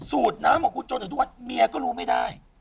สูดน้ำของคุณจนถึงทุกวันเมียก็รู้ไม่ได้